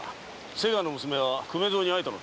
瀬川の娘は粂蔵に会えたのか？